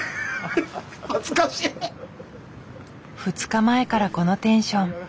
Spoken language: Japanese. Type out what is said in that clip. ２日前からこのテンション。